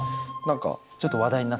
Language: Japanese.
ちょっと話題になった？